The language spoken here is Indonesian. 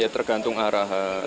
ya tergantung arahan